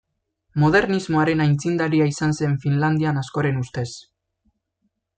Modernismoaren aitzindaria izan zen Finlandian askoren ustez.